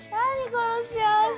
この幸せ。